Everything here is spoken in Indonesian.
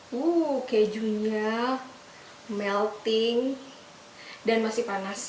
wuh kejunya melting dan masih panas